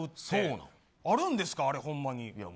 あるんですかあれほんまに。